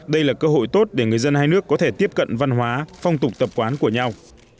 đây là cơ hội tốt để người dân hai nước có thể tiếp cận văn hóa phong tục tập quán của nhau